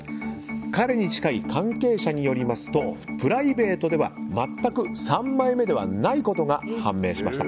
彼に近い関係者によりますとプライベートでは全く三枚目ではないことが判明しました。